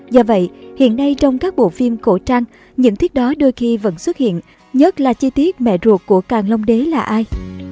do vậy hiện nay trong các bộ phim cổ trang những thuyết đó đôi khi vẫn xuất hiện nhất là chi tiết mẹ ruột của càng long đế là ai